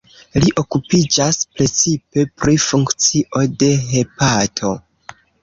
Li okupiĝas precipe pri funkcio de hepato.